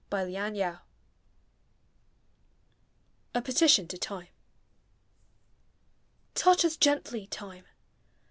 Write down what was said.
ANDREW PARK. A PETITION TO TIME. Touch us gently, Time!